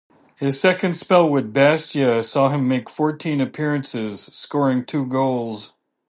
His second spell with Bastia saw him make fourteen appearances, scoring two goals.